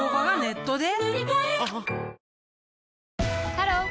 ハロー！